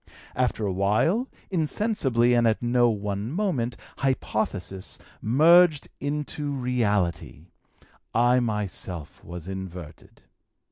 After a while, insensibly and at no one moment, hypothesis merged into reality: I myself was inverted.